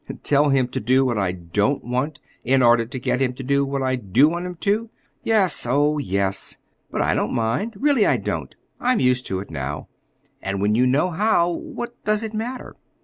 "Tell him to do what I don't want in order to get him to do what I do want him to? Yes, oh, yes. But I don't mind; really I don't. I'm used to it now. And when you know how, what does it matter?